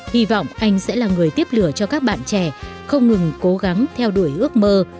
hy vọng anh sẽ là người tiếp lửa cho các bạn trẻ không ngừng cố gắng theo đuổi ước mơ